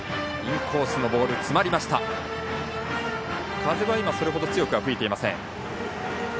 風はそれほど強くは吹いていません。